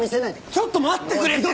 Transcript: ちょっと待ってくれって！